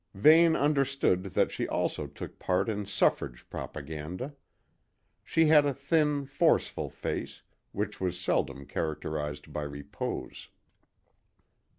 Vane understood that she also took part in Suffrage propaganda. She had a thin, forceful face, which was seldom characterised by repose.